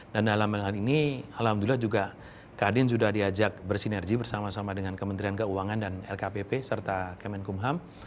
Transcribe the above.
dan dalam hal ini alhamdulillah juga kadin sudah diajak bersinergi bersama sama dengan kementerian keuangan dan lkpp serta kemenkumham